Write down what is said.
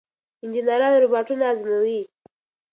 انجنیران روباټونه ازمويي.